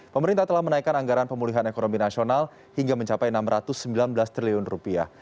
pemerintah telah menaikkan anggaran pemulihan ekonomi nasional hingga mencapai enam ratus sembilan belas triliun rupiah